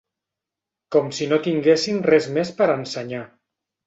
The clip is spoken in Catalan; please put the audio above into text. Com si no tinguessin res més per ensenyar.